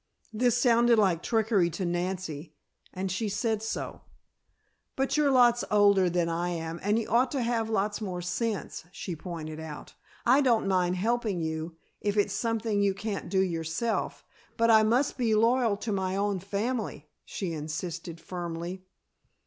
This sounded like trickery to Nancy, and she said so. "But you are lots older than I am and you ought to have lots more sense," she pointed out. "I don't mind helping you, if it's something you can't do yourself, but I must be loyal to my own family," she insisted, firmly.